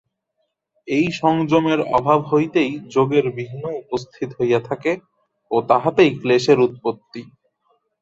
এই সংযমের অভাব হইতেই যোগের বিঘ্ন উপস্থিত হইয়া থাকে ও তাহাতেই ক্লেশের উৎপত্তি।